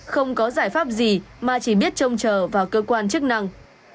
không có giải pháp gì mà chỉ biết trông chờ vào cơ quan chức năng